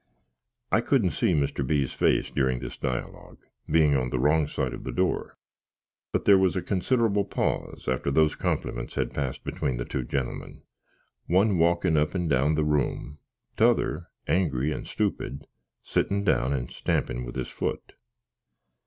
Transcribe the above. I couldn't see Mr. B.'s face during this dialogue, bein on the wrong side of the door; but there was a considdrabble paws after thuse complymints had passed between the two genlmn, one walkin quickly up and down the room tother, angry and stupid, sittin down, and stampin with his foot.